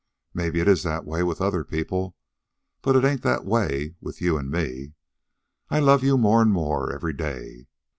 Maybe it's the way it is with other people; but it ain't that way with you an' me. I love you more 'n more every day.